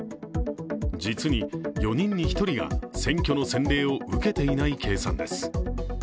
実に４人に１人が選挙の洗礼を受けていない計算です。